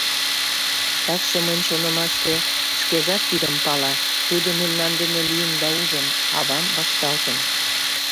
Такше, мыйын шонымаште, шкежат тидым пала, тудо мемнан дене лийын да ужын: авам вашталтын.